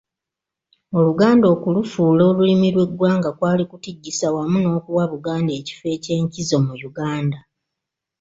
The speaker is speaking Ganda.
Oluganda okulufuula olulimi lw'eggwanga kwali kutijjisa wamu n'okuwa Buganda ekifo eky'enkizo mu Uganda.